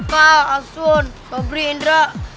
kak asun sobri indra